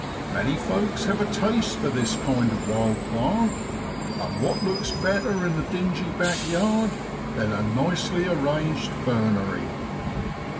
Many folks have a taste for this kind of wild plant ; and what looks better in a dingy backyard than a nicely arranged fernery